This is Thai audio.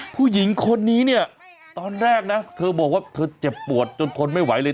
ผู้หญิงคนนี้เนี่ยตอนแรกนะเธอบอกว่าเธอเจ็บปวดจนทนไม่ไหวเลย